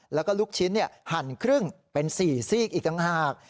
แล้วก็ลูกชิ้นหั่นครึ่งเป็น๔ซีกอีกต่างหาก